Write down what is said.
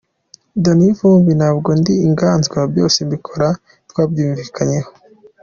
Danny Vumbi ntabwo ndi inganzwa, byose mbikora twabyumvikanyeho.